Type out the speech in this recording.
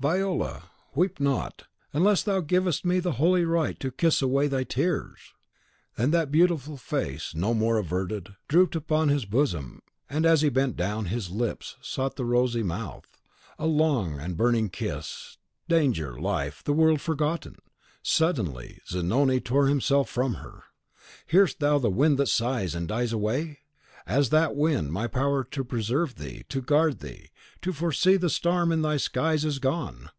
Viola, weep not, unless thou givest me the holy right to kiss away thy tears!" And that beautiful face, no more averted, drooped upon his bosom; and as he bent down, his lips sought the rosy mouth: a long and burning kiss, danger, life, the world was forgotten! Suddenly Zanoni tore himself from her. "Hearest thou the wind that sighs, and dies away? As that wind, my power to preserve thee, to guard thee, to foresee the storm in thy skies, is gone.